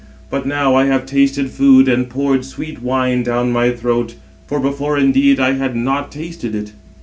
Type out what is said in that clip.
But now I have tasted food, and poured sweet wine down my throat; for before indeed I had not tasted it."